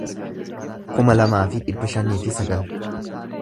kuma lamaa fi dhibba shanii fi sagal